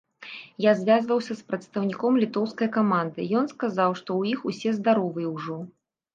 Я звязваўся з прадстаўніком літоўскай каманды, ён сказаў, што ў іх усе здаровыя ўжо.